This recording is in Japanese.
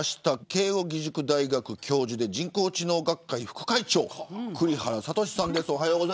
慶應義塾大学教授で人工知能学会副会長の栗原聡さんです。